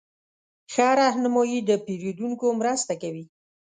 ښه رهنمایي د پیرودونکو مرسته کوي.